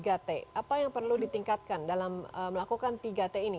apa yang perlu ditingkatkan dalam melakukan tiga t ini